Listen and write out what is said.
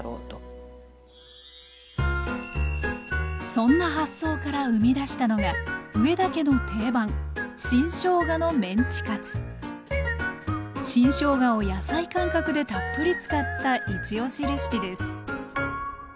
そんな発想から生み出したのが上田家の定番新しょうがを野菜感覚でたっぷり使ったいちおしレシピです